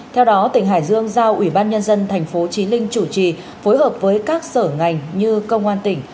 theo đó tỉnh hải dương giao ủy ban nhân dân thành phố trí linh chủ trì phối hợp với các sở ngành như công an tỉnh